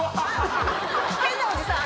変なおじさん